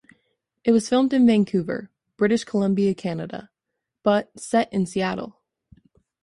It was filmed in Vancouver, British Columbia, Canada but set in Seattle.